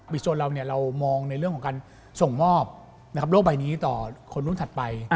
โซนเราเรามองในเรื่องของการส่งมอบโลกใบนี้ต่อคนรุ่นถัดไป